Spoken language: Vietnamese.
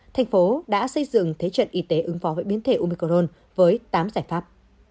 thành phố đã xây dựng thế trận y tế ứng phó với biến thể umicron với tám giải pháp